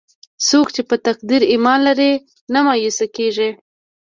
څوک چې په تقدیر ایمان لري، نه مایوسه کېږي.